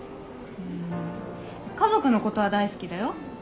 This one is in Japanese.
うん家族のことは大好きだよ。